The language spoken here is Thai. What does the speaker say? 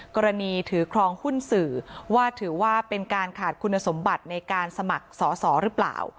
กรณีถือครองหุ้นสื่อว่าถือว่าเป็นการขาดคุณสมบัติในการสมัครสอสอหรือเปล่า